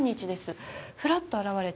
ふらっと現れて。